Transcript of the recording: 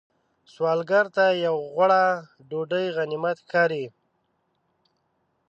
سوالګر ته یو غوړه ډوډۍ غنیمت ښکاري